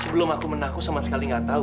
sebelum aku menakut sama sekali gak tau